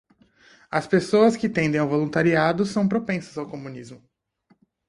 As pessoas que tendem ao voluntariado são propensas ao comunismo